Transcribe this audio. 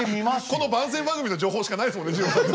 この番宣番組の情報しかないですもんね二朗さん。